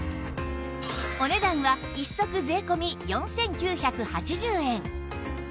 お値段は１足税込４９８０円